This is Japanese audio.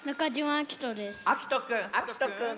あきとくん。